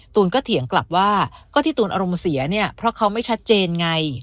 ตูนก็เถียงกลับว่าก็ที่ตูนอารมณ์เสียเนี่ยเพราะเขาไม่ชัดเจนไง